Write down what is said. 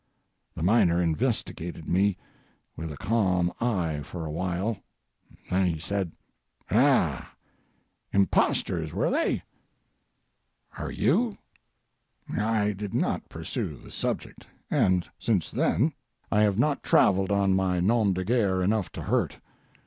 The miner investigated me with a calm eye for a while; then said he, "Ah! impostors, were they? Are you?" I did not pursue the subject, and since then I have not travelled on my 'nom de guerre' enough to hurt.